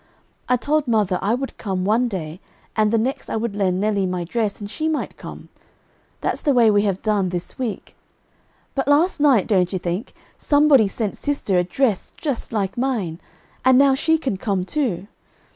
I told mother I would come one day, and the next I would lend Nelly my dress and she might come; that's the way we have done, this week. But last night, don't you think, somebody sent sister a dress just like mine, and now she can come too.